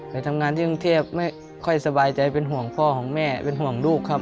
ไปทำงานที่กรุงเทพไม่ค่อยสบายใจเป็นห่วงพ่อของแม่เป็นห่วงลูกครับ